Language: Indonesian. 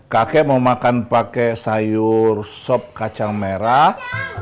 kakek mau makan pakai sayur sop kacang merah